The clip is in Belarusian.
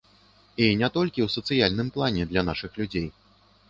І не толькі ў сацыяльным плане, для нашых людзей.